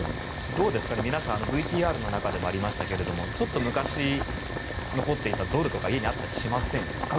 どうですか、皆さんＶＴＲの中でもありましたがちょっと昔、残っていたドルとか家にあったりしませんか？